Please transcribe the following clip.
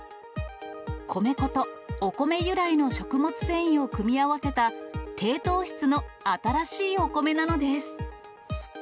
米粉とお米由来の食物繊維を組み合わせた、低糖質の新しいお米なのです。